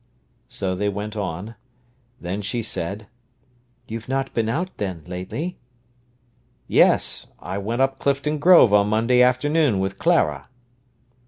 So they went on. Then she said: "You've not been out, then, lately?" "Yes; I went up Clifton Grove on Monday afternoon with Clara."